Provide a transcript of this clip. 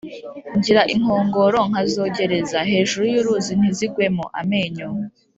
Ngira inkongoro nkazogereza hejuru y'uruzi ntizigwemo-Amenyo.